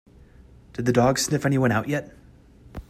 Did the dog sniff anyone out yet?